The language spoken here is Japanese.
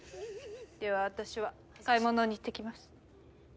では私は買い物に行ってきます。